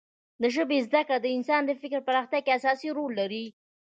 د ژبې زده کړه د انسان د فکر پراختیا کې اساسي رول لري.